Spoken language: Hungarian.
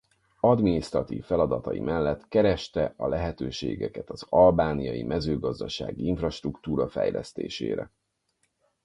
Adminisztratív feladatai mellett kereste a lehetőségeket az albániai mezőgazdasági infrastruktúra fejlesztésére.